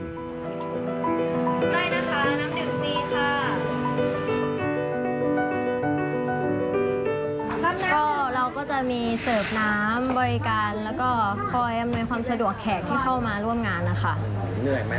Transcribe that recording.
ได้นะคะน้ำดื่มสี่ค่ะ